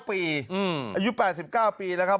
อายุ๘๙ปีแล้วครับ